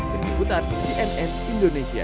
dari kutat cnn indonesia